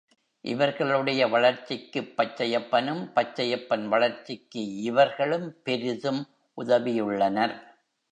இவர்களுடைய வளர்ச்சிக்குப் பச்சையப்பனும், பச்சையப்பன் வளர்ச்சிக்கு இவர்களும் பெரிதும் உதவியுள்ளனர்.